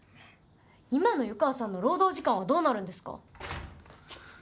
今の湯川さんの労働時間はどうなるんですか？